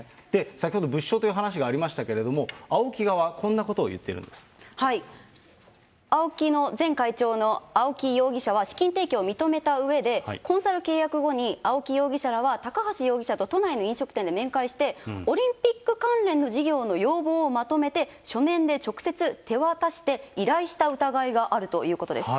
先ほど物証という話がありましたけれども、ＡＯＫＩ側、こんなこＡＯＫＩの前会長の青木容疑者は、資金提供を認めたうえで、コンサル契約後に青木容疑者らは、高橋容疑者と都内の飲食店で面会して、オリンピック関連の事業の要望をまとめて、書面で直接手渡して、依頼した疑いがあるということです。